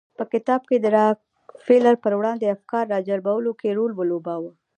په کتاب کې د راکفیلر پر وړاندې افکار راجلبولو کې رول ولوباوه.